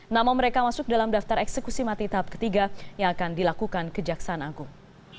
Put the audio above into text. nama mereka masuk dalam daftar eksekusi mati tahap ketiga yang akan dilakukan kejaksaan agung